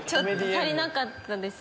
足りなかったです